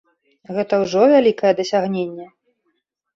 Гэта ўжо вялікае дасягненне!